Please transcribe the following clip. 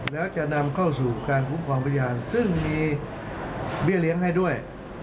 แล้วจะนำเข้าสู่การคุ้มครองพยานซึ่งมีเบี้ยเลี้ยงให้ด้วย